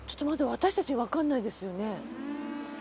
私たち分かんないですよね？